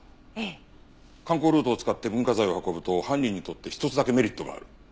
観光ルートを使って文化財を運ぶと犯人にとって１つだけメリットがある。